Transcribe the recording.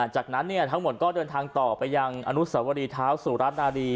จากนั้นทั้งหมดก็เดินทางต่อไปยังอสวทธิ์ฐ้าวสุรรัตนารีย์